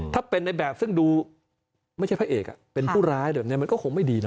ถ้าเป็นในแบบซึ่งดูไม่ใช่พระเอกเป็นผู้ร้ายแบบนี้มันก็คงไม่ดีนะ